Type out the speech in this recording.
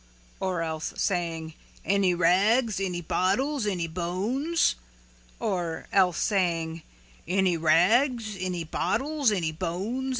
or else saying, "Any rags? any bottles? any bones?" or else saying "Any rags? any bottles? any bones?